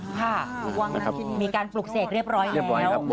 ค่ะวังนัทศิลป์มีการปลูกเสกเรียบร้อยแล้ว